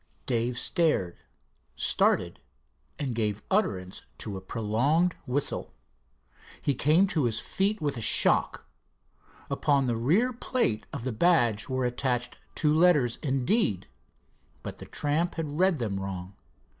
Dave stared, started and gave utterance to a prolonged whistle. He came to his feet with a shock. Upon the rear plate of the badge were scratched two letters, indeed but the tramp had read them wrong.